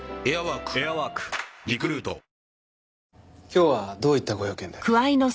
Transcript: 今日はどういったご用件で？